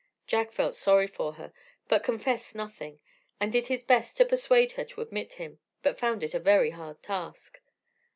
Jack felt sorry for her, but confessed nothing, and did his best to persuade her to admit him, but found it a very hard task.